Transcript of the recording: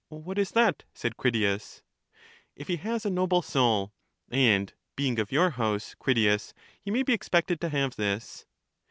What is that? said Critias. If he has a noble soul; and being of your house, Critias, he may be expected to have this.